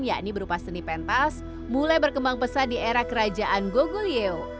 yakni berupa seni pentas mulai berkembang pesat di era kerajaan gogulio